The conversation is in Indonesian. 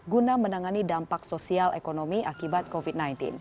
guna menangani dampak sosial ekonomi akibat covid sembilan belas